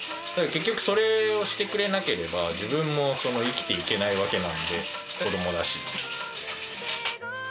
結局、それをしてくれなければ、自分も生きていけないわけなんで、子どもだし。